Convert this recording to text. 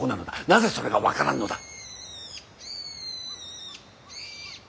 なぜそれが分からんのだ。